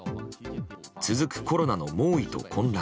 続くコロナの猛威と混乱。